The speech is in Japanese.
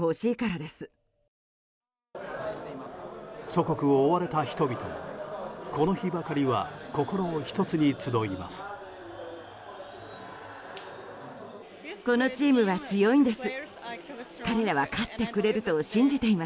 祖国を追われた人々もこの日ばかりは心を一つに集います。